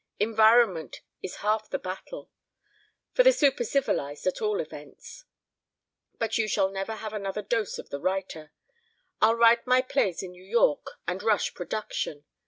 Environment is half the battle for the super civilized, at all events. But you shall never have another dose of the writer. I'll write my plays in New York and rush production.